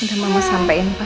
udah mama sampein pak